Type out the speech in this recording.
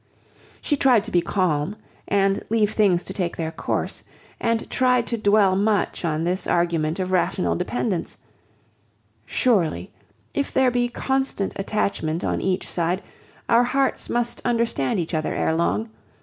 She tried to be calm, and leave things to take their course, and tried to dwell much on this argument of rational dependence:—"Surely, if there be constant attachment on each side, our hearts must understand each other ere long.